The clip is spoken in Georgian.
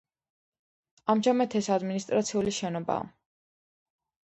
ამჟამად ეს ადმინისტრაციული შენობაა.